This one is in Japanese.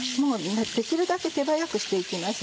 できるだけ手早くして行きます。